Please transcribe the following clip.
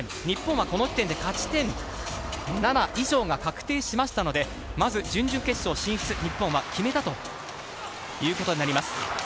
日本はこの時点で勝ち点７以上が確定しましたので、まず準々決勝進出、日本は決めたということになります。